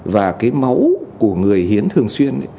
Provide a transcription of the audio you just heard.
và cái máu của người hiến thường xuyên